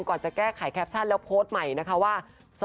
ก่อนจะแก้ไขแคปชั่นแล้วโพสต์ใหม่นะคะว่า